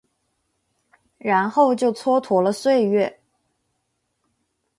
然后就蹉跎了岁月